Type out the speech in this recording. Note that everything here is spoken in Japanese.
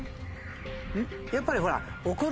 やっぱりほら。